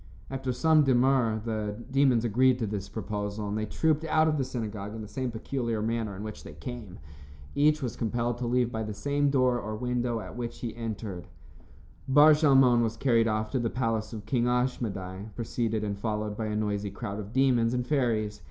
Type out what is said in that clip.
After some demur, the demons agreed to this proposal, and they trooped out of the synagogue in the same peculiar manner in which they came. Each was compelled to leave by the same door or window at which he entered. Bar Shalmon was carried off to the palace of King Ashmedai, preceded and followed by a noisy crowd of demons and fairies.